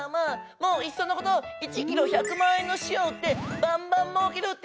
もういっそのこと１ｋｇ１００万円の塩をうってバンバンもうけるっていうのはどうですか？